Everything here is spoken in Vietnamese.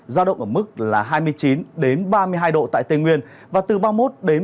ra động ở mức là hai mươi chín đến ba mươi hai độ tại tây nguyên và từ ba mươi một đến ba mươi một độ ở tây nguyên